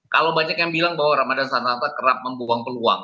kalau banyak yang bilang bahwa ramadan sananta kerap membuang peluang